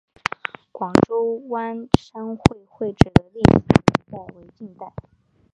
广州湾商会会址的历史年代为近代。